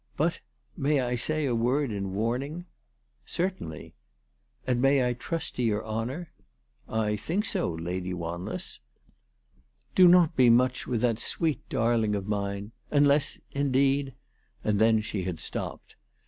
" But may I say a word in warning ?"" Certainly." " And I may trust to your honour ?"" I think so, Lady Wanless." 342 ALICE DUGDALE. " Do not be mucli with tliat sweet darling of mine, unless indeed " And then she had stopped.